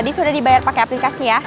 tadi sudah dibayar pakai aplikasi ya